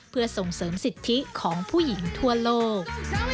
เพื่อส่งเสริมสิทธิของผู้หญิงทั่วโลก